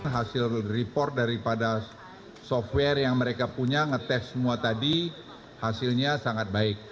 hasil report daripada software yang mereka punya ngetes semua tadi hasilnya sangat baik